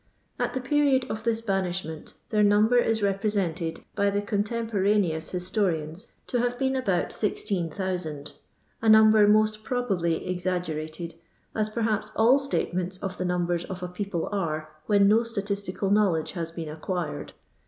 At the period of this banish ment, their number is represented by the con temporoneoua historians to have been about ! 16,000, a number aotl probablj exaggerated, as perhaps all statements of the nnmben of a people are when no statistical knowledge has been ac quired.